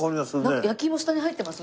なんか焼き芋下に入ってます？